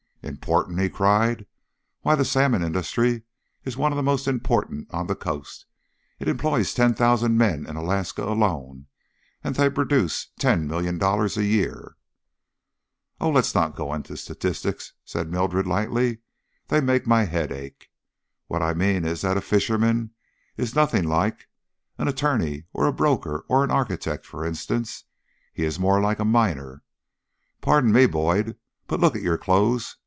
"Important!" he cried. "Why, the salmon industry is one of the most important on the Coast. It employs ten thousand men in Alaska alone, and they produce ten million dollars every year." "Oh, let's not go into statistics," said Mildred, lightly; "they make my head ache. What I mean is that a fisherman is nothing like an attorney or a broker or an architect, for instance; he is more like a miner. Pardon me, Boyd, but look at your clothes."